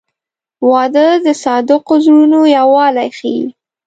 • واده د صادقو زړونو یووالی ښیي.